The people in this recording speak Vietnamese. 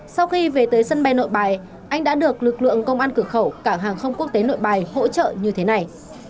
sau khi về tới sân bay nội bài anh đã được lực lượng công an cửa khẩu cảng hàng không quốc tế nội bài hỗ trợ như thế này